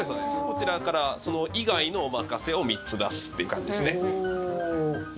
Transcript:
こちらからその以外のおまかせを３つ出すっていう感じですね。